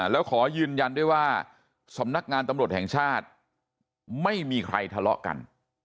แล้วขอยืนยันด้วยว่าสำนักงานตำรวจแห่งชาติไม่มีใครทะเลาะกัน